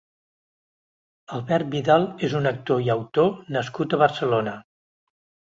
Albert Vidal és un actor i autor nascut a Barcelona.